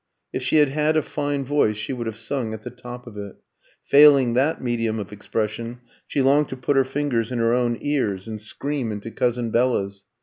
If she had had a fine voice, she would have sung at the top of it; failing that medium of expression, she longed to put her fingers in her own ears and scream into cousin Bella's.